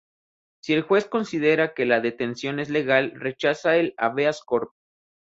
Si el juez considera que la detención es legal, rechaza el "hábeas corpus".